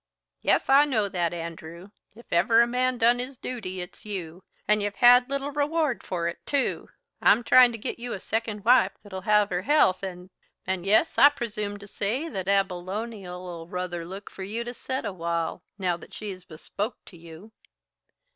"Yes, I know that, Andrew. If ever a man done his duty, it's you. And you've had little reward for it, too. I'm tryin' to git you a second wife that'll have her health and and yes, I presume to say that Abilonia'll ruther look for you to set a while, now that she is bespoke to you."